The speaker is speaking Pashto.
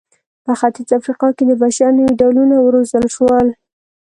په ختیځه افریقا کې د بشر نوي ډولونه وروزل شول.